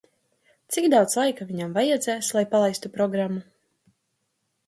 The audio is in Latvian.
Cik daudz laika viņam vajadzēs, lai palaistu programmu?